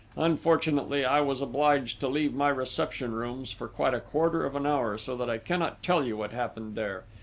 Unfortunately I was obliged to leave my reception rooms for quite a quarter of an hour, so that I cannot tell you what happened there.